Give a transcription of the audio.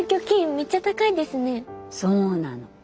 そうなの。